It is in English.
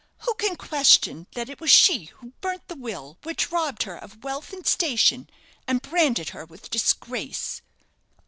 Who can question that it was she who burnt the will which robbed her of wealth and station, and branded her with disgrace?"